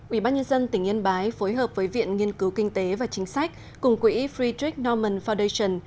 ubnd tỉnh yên bái phối hợp với viện nghiên cứu kinh tế và chính sách cùng quỹ friedrich norman foundation